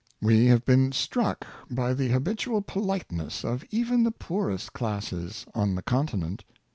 We have been struck by the habitual politeness of even the poorest classes on the Continent.